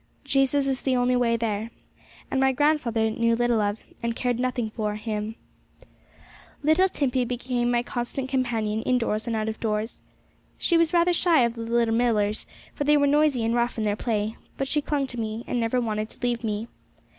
Jesus is the only way there, and my grandfather knew little of, and cared nothing for, Him. Little Timpey became my constant companion, indoors and out of doors. She was rather shy of the little Millars, for they were noisy and rough in their play, but she clung to me, and never wanted to leave me.